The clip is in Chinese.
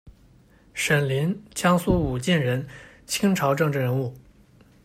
沈霖，江苏武进人，清朝政治人物。